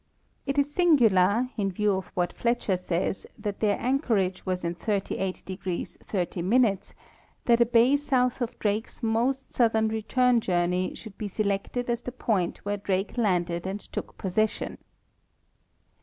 It is singular, in view of what Fletcher says, that their anchorage was in 38° 30'; that a bay south of Drake's most southern return journey should be selected as the point where Drake landed and took possession.